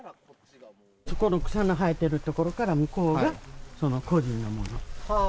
そこの草の生えてる所から向こうが、その個人のもの。